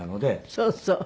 そうそう。